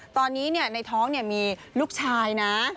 ตอนนี้ในท้องมีลูกชายนะ